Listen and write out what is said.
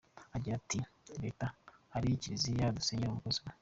Agira ati “Ari Leta, ari Kiliziya, dusenyera umugozi umwe.